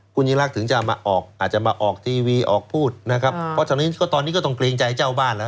คุณยิ่งรักถึงจะมาออกอาจจะมาออกทีวีออกพูดนะครับเพราะฉะนั้นก็ตอนนี้ก็ต้องเกรงใจเจ้าบ้านแล้ว